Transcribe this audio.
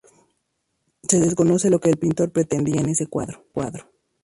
Se desconoce lo que el pintor pretendía con este cuadro.